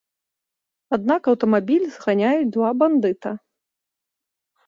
Аднак аўтамабіль зганяюць два бандыта.